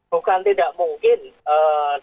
bukan tidak mungkin ee